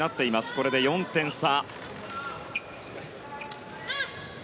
これで４点差。